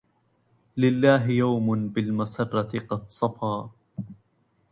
لله يوم بالمسرة قد صفا